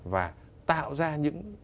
và tạo ra những